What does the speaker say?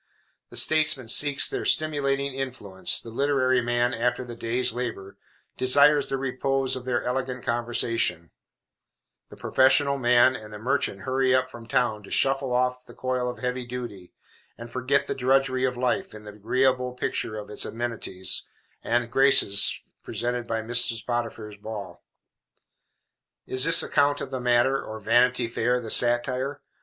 The statesman seeks their stimulating influence; the literary man, after the day's labor, desires the repose of their elegant conversation; the professional man and the merchant hurry up from down town to shuffle off the coil of heavy duty, and forget the drudgery of life in the agreeable picture of its amenities and graces presented by Mrs. Potiphar's ball. Is this account of the matter, or Vanity Fair, the satire?